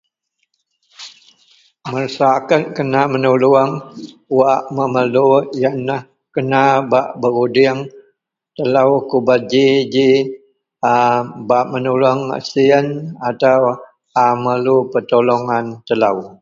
Masaraket kena menuluong wak memelu yenlah kena bak berudieng telou kubeji-ji a bak menuluong siyen ataua merlu petolongan telou.